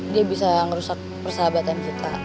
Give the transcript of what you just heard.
dia bisa ngerusak persahabatan kita